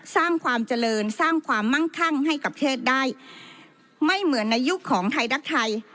สร้างความเจริญสร้างความมั่งคั่งให้กับประเทศได้ไม่เหมือนในยุคของไทยรักไทย